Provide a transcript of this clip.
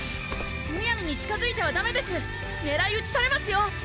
むやみに近づいてはダメですねらいうちされますよ！